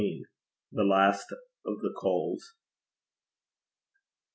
THE LAST OF THE COALS.